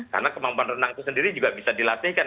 karena kemampuan renang itu sendiri juga bisa dilatihkan